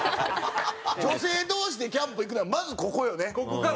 女性同士でキャンプ行くならまずここよね。